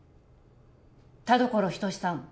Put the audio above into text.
田所仁志さん